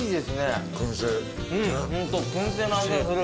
ホント薫製の味がする。